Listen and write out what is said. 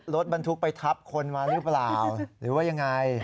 รถมันถูกไปทับคนหรือเปล่าหรือยังไง